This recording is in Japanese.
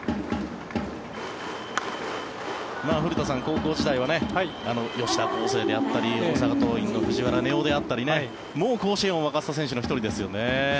古田さん、高校時代は吉田輝星であったり大阪桐蔭の藤原、根尾であったり甲子園を沸かせた選手の１人ですよね。